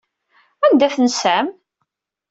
Anda tensam?